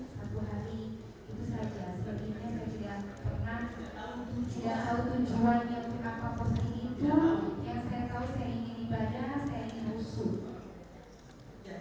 maksud saya pemerintahan ketika itu sesudah saksi kembali itu ramai